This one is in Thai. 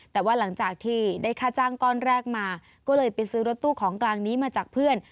แต่ว่าหลังจากที่ได้ค่าจ้างก้อนแรกมาก็เลยไปซื้อรถตู้ของกลางนี้มาจากเพื่อน